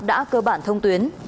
đã cơ bản thông tuyến